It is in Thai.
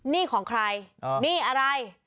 นี่ของใครนี่อะไร